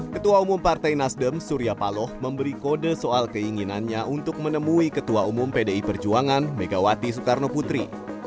ketua umum partai nasdem surya paloh memberi kode soal keinginannya untuk menemui ketua umum pdi perjuangan megawati soekarno putri